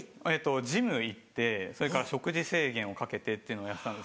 ジム行ってそれから食事制限をかけてというのをやってたんです。